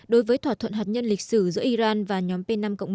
đối với thỏa thuận hạt nhân lịch sử giữa iran và nhóm p năm một